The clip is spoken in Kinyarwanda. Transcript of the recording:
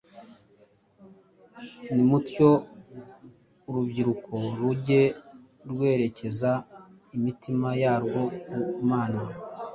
nimutyo urubyiruko rujye rwerekeza imitima yarwo ku Mana.